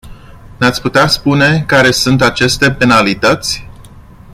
Ne-ați putea spune care sunt aceste penalități?